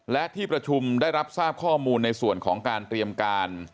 และที่ประชุมได้รับทราบข้อมูลในส่วนของการเตรียมการ